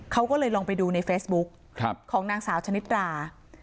เขาก็เลยลองไปดูในเฟซบุ๊กของนางสาวชนิดรา